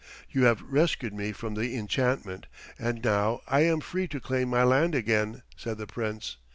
"You have rescued me from the enchantment, and now I am free to claim my land again," said the Prince.